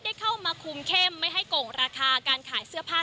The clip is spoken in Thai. ได้เข้ามาคุมเข้มไม่ให้โก่งราคาการขายเสื้อผ้า